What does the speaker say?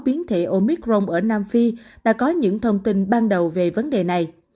biến thể omicron ở nam phi đã có những thông tin ban đầu về vấn đề này